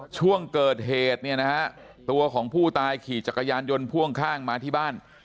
ช่วงเกิดเหตุเนี่ยนะฮะตัวของผู้ตายขี่จักรยานยนต์พ่วงข้างมาที่บ้าน